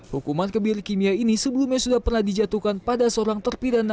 hukuman kebiri kimia ini sebelumnya sudah pernah dijatuhkan pada seorang terpidana